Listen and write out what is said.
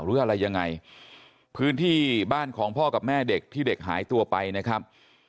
หรืออะไรยังไงพื้นที่บ้านของพ่อกับแม่เด็กที่เด็กหายตัวไปนะครับ